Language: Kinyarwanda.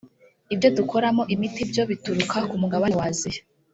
ibyo dukoramo imiti byo bituruka ku mugabane wa Aziya